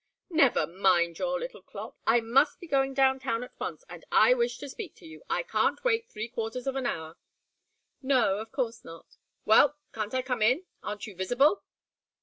"Never mind your little clock. I must be going down town at once, and I wish to speak to you. I can't wait three quarters of an hour." "No of course not." "Well can't I come in? Aren't you visible?"